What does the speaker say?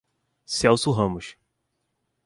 Celso Ramos